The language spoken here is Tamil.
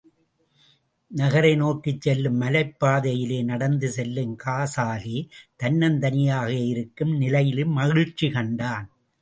நகரை நோக்கிச் செல்லும் மலைப் பதையிலே நடந்து செல்லும் காசாலி, தன்னந்தனியாக இருக்கும் நிலையிலும் மகிழ்ச்சி கண்டான்.